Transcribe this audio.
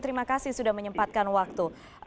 terima kasih sudah menyempatkan waktu